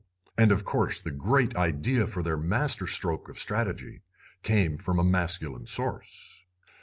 And of course the great idea for their master stroke of strategy came from a masculine source.